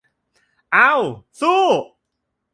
เอ้า สู้ !